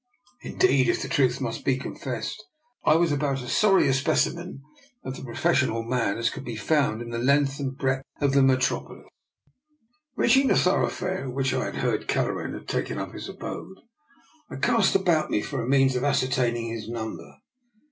Indeed, if the truth must be con fessed, I was about as sorry a specimen of the professional man as could be found DR. NIKOLA'S EXPERIMENT. 2$ in the length and breadth of the Metrop olis. Reaching the thoroughfare in which I had heard Kelleran had taken up his abode, I cast about me for a means of ascertaining his number.